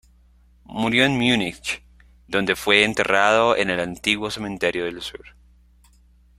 Murió en Múnich, donde fue enterrado en el Antiguo Cementerio del Sur.